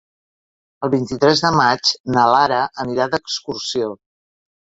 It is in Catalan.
El vint-i-tres de maig na Lara anirà d'excursió.